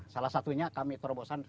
salah satunya kami terobosan